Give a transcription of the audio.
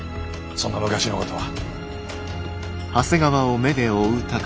そんな昔のことは。